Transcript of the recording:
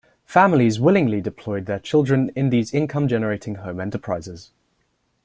Families willingly deployed their children in these income generating home enterprises.